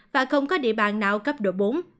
và không có địa bàn nào cấp độ bốn